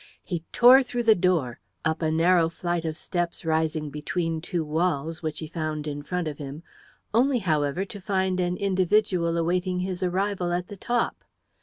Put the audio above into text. He tore through the door, up a narrow flight of steps rising between two walls, which he found in front of him, only, however, to find an individual awaiting his arrival at the top.